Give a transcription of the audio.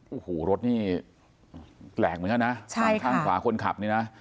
โอ้โหรถนี่แปลกเหมือนกันนะใช่ข้างขวาคนขับนี่นะ